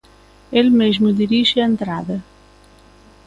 El mesmo dirixe a entrada.